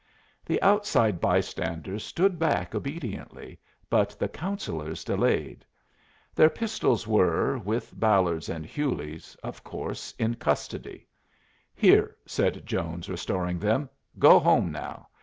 The outside bystanders stood back obediently, but the Councillors delayed. Their pistols were, with Ballard's and Hewley's, of course in custody. "Here," said Jones, restoring them. "Go home now.